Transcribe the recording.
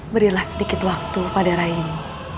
berilah sedikit waktu pada rai ini